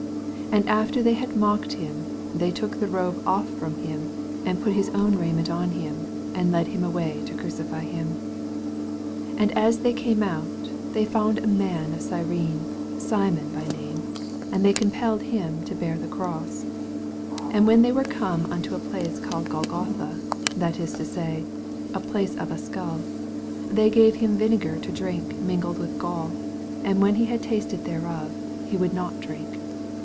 81 And after that they had mocked him, they took the robe off from him. and put his own raiment on him, ana led him away to crucify hiuu 82 And as they came oat, they found a man of Cyrene, Simon by name: him they compelled to bear his cross. 88 And when they were como nnto a place called Golgotha, that ia to say, a place of a skull, 84 They gave him vinegar to drink mingled with gall : and when he had tasted thereof y ne would not drink.